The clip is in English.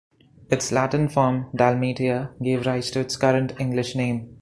Its Latin form "Dalmatia" gave rise to its current English name.